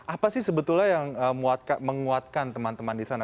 apa sih sebetulnya yang menguatkan teman teman di sana